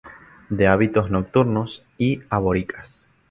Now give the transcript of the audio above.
De hábitos nocturnos y arborícolas.